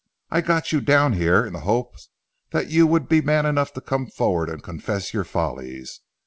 I got you down here in the hope that you would be man enough to come forward and confess your follies.